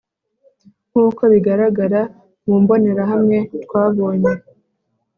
Nk’uko bigaragara mu mbonerahamwe twabonye.